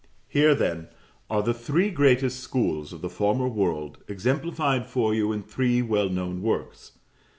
Here, then, are the three greatest schools of the former world exemplified for you in three well known works.